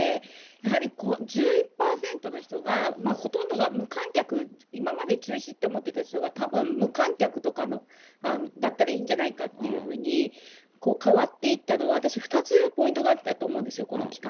やはり１１％の人が、ほとんどが無観客、今まで中止と思ってた人が、たぶん無観客とかのだったらいいんじゃないかっていうふうに変わっていったのは、私２つポイントがあったと思うんですよ、この期間。